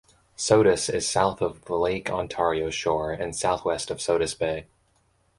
Sodus is south of the Lake Ontario shore and southwest of Sodus Bay.